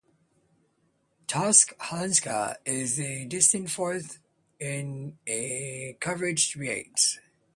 Thus, Haleakala is a distant fourth in coverage rates.